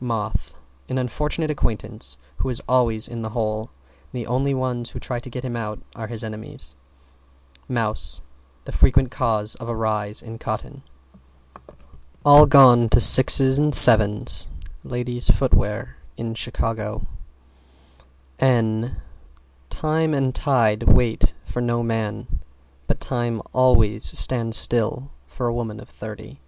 =MOTH= An unfortunate acquaintance who is always in the hole. And the only ones who try to get him out are his enemies. =MOUSE= The frequent cause of a rise in cotton. All gone to 6's and 7's Ladies' Footwear in Chicago. N Time and tide wait for no man But time always stands still for a woman of thirty.